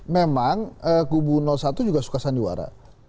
memang kubu satu juga suka sandiwara